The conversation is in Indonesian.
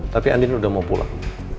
tapi andin udah mau pulang